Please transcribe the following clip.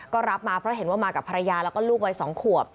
ก็รับมาเพราะเห็นว่ามากับภรรยาแล้วก็ลูกวัย๒ขวบ